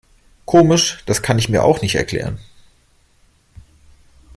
Komisch, das kann ich mir auch nicht erklären.